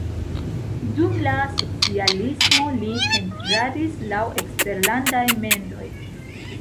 Dum la socialismo li pentradis laŭ eksterlandaj mendoj.